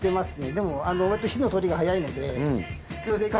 でもわりと火の通りが早いので。